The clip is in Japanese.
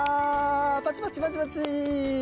パチパチパチパチ！